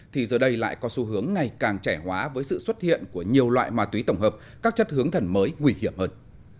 thì giờ đây lại có xu hướng ngày càng trẻ hóa với sự xuất hiện của nhiều loại ma túy tổng hợp các chất hướng thẩm mới nguy hiểm hơn